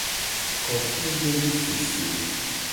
Kopuvevesese.